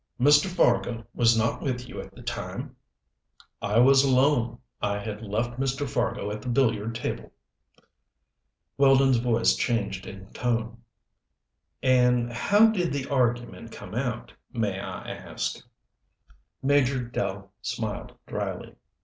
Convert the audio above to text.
"Mr. Fargo was not with you at the time?" "I was alone. I had left Mr. Fargo at the billiard table." Weldon's voice changed in tone. "And how did the argument come out, may I ask." Major Dell smiled dryly.